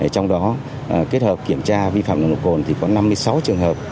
trong đó kết hợp kiểm tra vi phạm nồng độ cồn thì có năm mươi sáu trường hợp